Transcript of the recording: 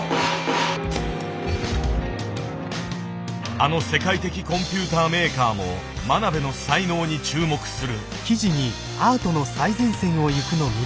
あの世界的コンピューターメーカーも真鍋の才能に注目する。